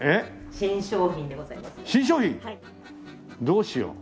どうしよう。